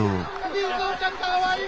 瑞穂ちゃんかわいい！